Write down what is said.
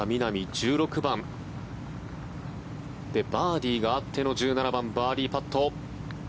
１６番でバーディーがあっての１７番バーディーパット。